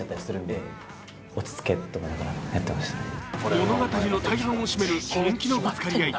物語の大半を占める本気のぶつかり合い。